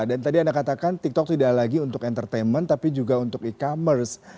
dan tadi anda katakan tiktok tidak lagi untuk entertainment tapi juga untuk e commerce